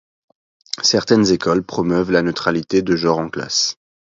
Certaines écoles promeuvent la neutralité de genre en classe.